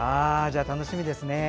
楽しみですね。